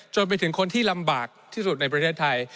จนไปถึงคนที่ลำบากที่สุดในประเทศไทย